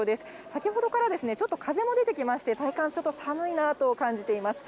先ほどからちょっと風も出てきまして、体感、ちょっと寒いなと感じています。